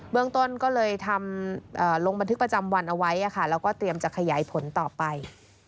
เมืองต้นก็เลยทำลงบันทึกประจำวันเอาไว้แล้วก็เตรียมจะขยายผลต่อไป